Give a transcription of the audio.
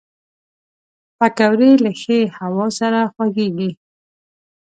پکورې له ښې هوا سره خوږېږي